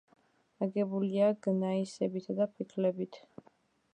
აგებულია გნაისებითა და ფიქლებით.